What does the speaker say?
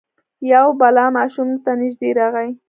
یو بلا ماشوم ته نژدې راغی.